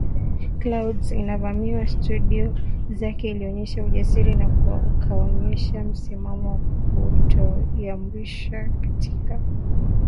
Clouds inavamiwa studio zake alionyesha ujasiri na akaonyesha msimamo wa kutoyumbishwa katika